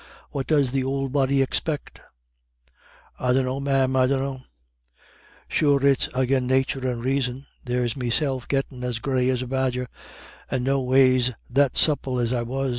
"What does the ould body expec'?" "I dunno, ma'am, I dunno. Sure it's agin nathur and raison. There's meself gettin' as grey as a badger, and noways that supple as I was.